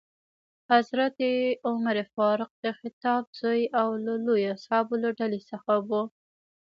حضرت عمر فاروق د خطاب زوی او لویو اصحابو له ډلې څخه ؤ.